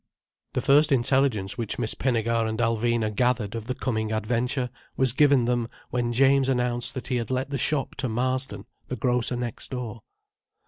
The first intelligence which Miss Pinnegar and Alvina gathered of the coming adventure was given them when James announced that he had let the shop to Marsden, the grocer next door.